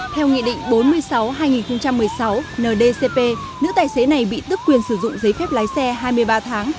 theo nghị định bốn mươi sáu hai nghìn một mươi sáu ndcp nữ tài xế này bị tức quyền sử dụng giấy phép lái xe hai mươi ba tháng